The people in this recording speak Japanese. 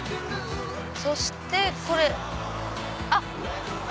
そしてこれあっ。